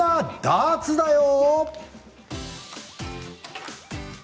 ダーツだよ」。